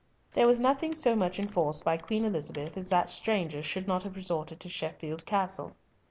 There was nothing so much enforced by Queen Elizabeth as that strangers should not have resort to Sheffield Castle.